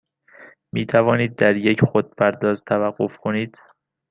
می توانید در یک خودپرداز توقف کنید؟